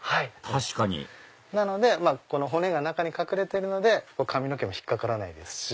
確かに骨が中に隠れてるので髪の毛も引っ掛からないですし。